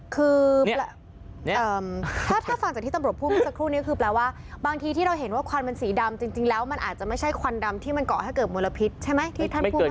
คือถ้าฟังจากที่ตำรวจพูดเมื่อสักครู่นี้คือแปลว่าบางทีที่เราเห็นว่าควันมันสีดำจริงแล้วมันอาจจะไม่ใช่ควันดำที่มันเกาะให้เกิดมลพิษใช่ไหมที่ท่านพูด